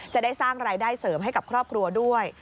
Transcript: จะได้สร้างรายได้เสริมให้กับครอบครัวด้วย